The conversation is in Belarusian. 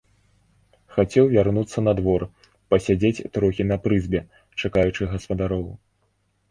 Хацеў вярнуцца на двор, пасядзець трохі на прызбе, чакаючы гаспадароў.